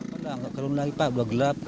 tidak tidak kerum lagi pak